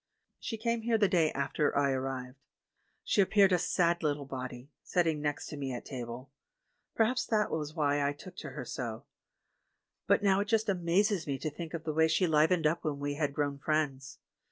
She came here the day after I arrived. She appeared a sad little body, sitting next to me at table ; perhaps that was why I took to her so; but now it just amazes me to think of the way she livened up when we had grown friends.